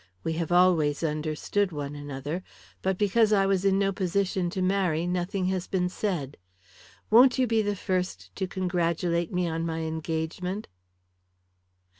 We have always understood one another, but because I was in no position to marry nothing has been said. Won't you be the first to congratulate me on my engagement?"